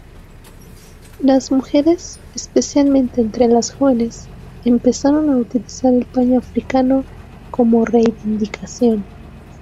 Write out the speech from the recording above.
Las mujeres, especialmente entre las jóvenes, empezaron a utilizar el paño africano como reivindicación.